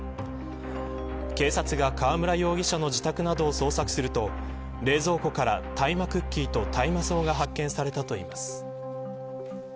警察が川村容疑者の自宅などを捜索すると冷蔵庫から大麻クッキーと大麻草が発見されたといいます。